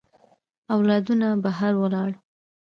اولادونه بهر ولاړ.